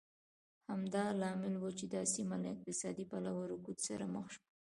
همدا لامل و چې دا سیمه له اقتصادي پلوه رکود سره مخ شوه.